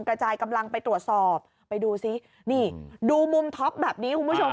กระจายกำลังไปตรวจสอบไปดูซินี่ดูมุมท็อปแบบนี้คุณผู้ชม